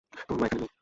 তোমার মা এখানে নেই।